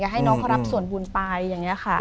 ให้น้องเขารับส่วนบุญไปอย่างนี้ค่ะ